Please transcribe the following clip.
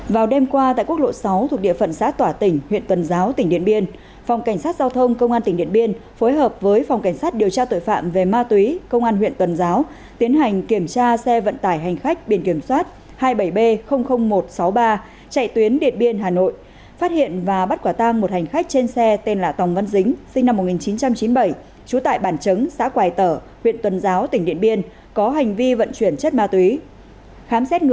vào đêm qua tại quốc lộ sáu thuộc địa phận xá tỏa tỉnh huyện tuần giáo tỉnh điện biên phòng cảnh sát giao thông công an tp điện biên phối hợp với phòng cảnh sát điều tra tội phạm về ma túy công an huyện tuần giáo tiến hành kiểm tra xe vận tải hành khách biển kiểm soát hai mươi bảy b một trăm sáu mươi ba chạy tuyến điện biên hà nội phát hiện và bắt quả tang một hành khách trên xe tên là tòng văn dính sinh năm một nghìn chín trăm chín mươi bảy trú tại bản trấn xã quài tở huyện tuần giáo tỉnh điện biên có hành vi vận chuyển chất ma